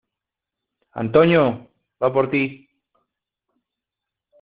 ¡ Antonio, va por ti!